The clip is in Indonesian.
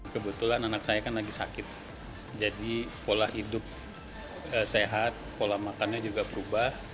kebetulan anak saya kan lagi sakit jadi pola hidup sehat pola makannya juga berubah